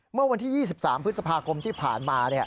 เมื่อวันที่๒๓พฤษภาคมที่ผ่านมา